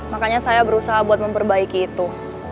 makanya saya berusaha buat memperbaiki itu